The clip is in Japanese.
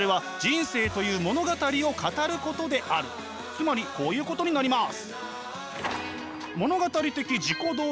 つまりこういうことになります。